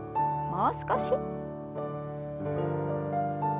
もう少し。